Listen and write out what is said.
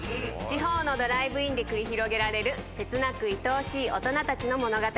地方のドライブインで繰り広げられる切なくいとおしい大人たちの物語。